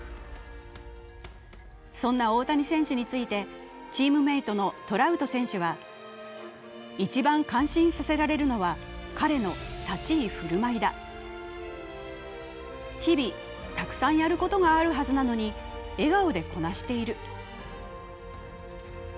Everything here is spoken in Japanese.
そんな大谷選手についてチームメイトのトラウト選手は、一番感心させられるのは彼の立ち居振る舞いだ、日々たくさんやることがあるはずなのに笑顔でこなしている。